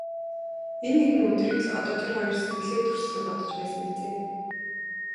Энэ нэгэн өдрийг л одоо тэр хоёр сэтгэлдээ дүрслэн бодож байсан биз ээ.